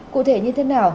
cụ thể như thế nào